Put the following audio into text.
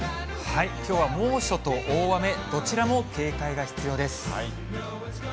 きょうは猛暑と大雨、どちらも警戒が必要です。